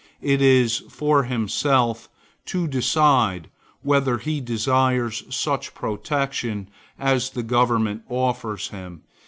It is for himself to decide whether he desires such protection as the government offers him.